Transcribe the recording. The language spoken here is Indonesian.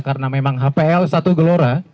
karena memang hpl satu gelora